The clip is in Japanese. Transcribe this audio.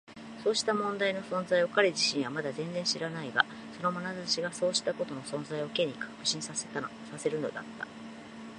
そうした問題の存在を彼自身はまだ全然知らないが、そのまなざしがそうしたことの存在を Ｋ に確信させるのだった。